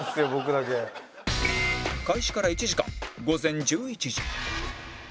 開始から１時間午前１１時